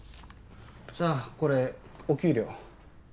じゃあこれお給料。